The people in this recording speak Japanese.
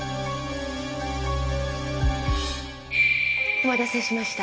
お待たせしました。